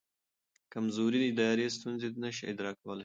کمزوري ادارې ستونزې نه شي اداره کولی.